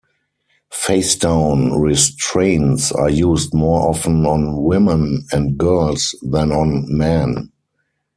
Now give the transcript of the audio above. Face down restraints are used more often on women and girls than on men.